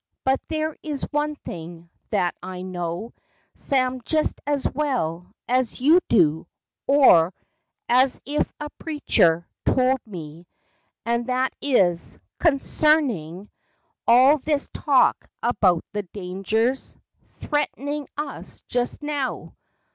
But there is one thing That I know, Sam, just as well as You do, or as if a preacher Told me; and that is, consarnin' 50 FACTS AND FANCIES. All this talk about the dangers Threat'nin' us jest now.